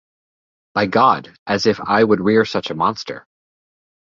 By God, as if I would rear such a monster!